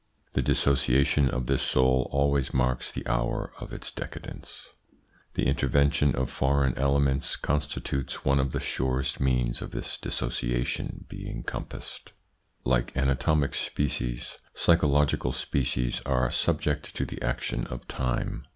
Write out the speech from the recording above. The dissociation of this soul always marks the hour of its decadence. The intervention of foreign ele ments constitutes one of the surest means of this dissociation being compassed. Like anatomic species, psychological species are subject to the action of time.